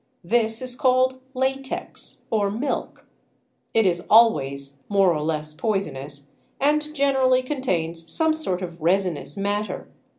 This is called "latex" (or milk); it is always more or less poisonous, and generally contains some sort of resinous matter.